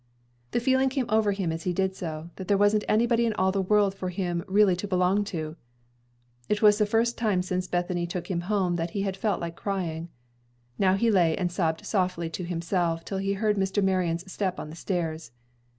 The feeling came over him as he did so, that there wasn't anybody in all the world for him really to belong to. It was the first time since Bethany took him home that he had felt like crying. Now he lay and sobbed softly to himself till he heard Mr. Marion's step on the stairs.